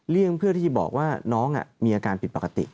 เลี่ยงเพื่อที่บอกว่าน้องมีอาการผิดปกติ